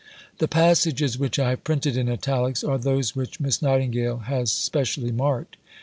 ] The passages which I have printed in italics are those which Miss Nightingale had specially marked.